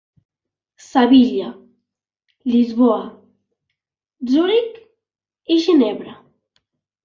Sevilla, Lisboa, Zuric i Ginebra.